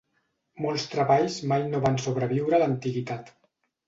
Molts treballs mai no van sobreviure l'antiguitat.